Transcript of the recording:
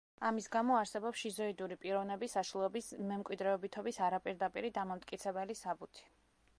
ამის გამო, არსებობს შიზოიდური პიროვნების აშლილობის მემკვიდრეობითობის არაპირდაპირი დამამტკიცებელი საბუთი.